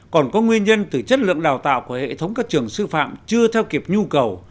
còn có nguyên nhân từ chất lượng đào tạo của hệ thống các trường sư phạm chưa theo kịp nhu cầu